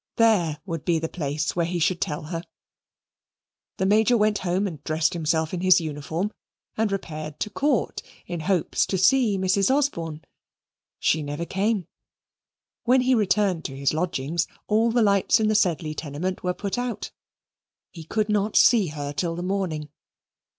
There would be the place where he should tell her. The Major went home, and dressed himself in his uniform, and repaired to Court, in hopes to see Mrs. Osborne. She never came. When he returned to his lodgings all the lights in the Sedley tenement were put out. He could not see her till the morning.